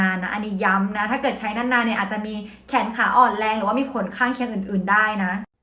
อันนี้ย้ำนะถ้าเกิดใช้นานเนี่ยอาจจะมีแขนขาอ่อนแรงหรือว่ามีผลข้างเคียงอื่นได้นะ